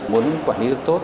muốn quản lý được tốt